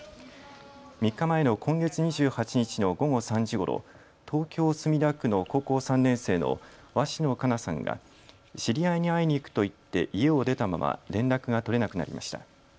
３日前の今月２８日の午後３時ごろ、東京墨田区の高校３年生の鷲野花夏さんが知り合いに会いに行くと言って家を出たまま連絡が取れなくなりました。